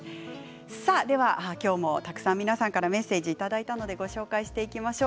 今日もたくさん皆さんからメッセージをいただいたのでご紹介していきましょう。